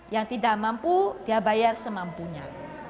yang tidak mampu dia bayar semampunya